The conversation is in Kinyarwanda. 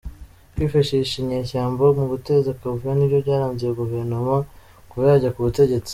Kwifashisha inyeshyamba mu guteza akavuyo nibyo byaranze iyo Guverinoma kuva yajya ku butegetsi.